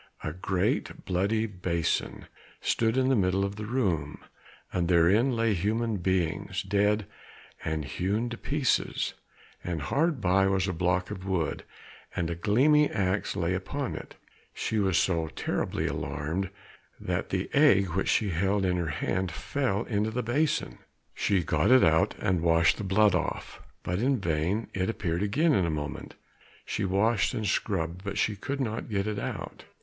A great bloody basin stood in the middle of the room, and therein lay human beings, dead and hewn to pieces, and hard by was a block of wood, and a gleaming axe lay upon it. She was so terribly alarmed that the egg which she held in her hand fell into the basin. She got it out and washed the blood off, but in vain, it appeared again in a moment. She washed and scrubbed, but she could not get it out.